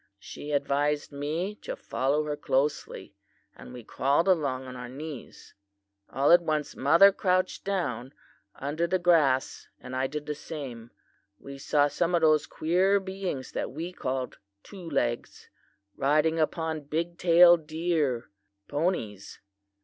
She advised me to follow her closely, and we crawled along on our knees. All at once mother crouched down under the grass, and I did the same. We saw some of those queer beings that we called "two legs," riding upon big tail deer (ponies).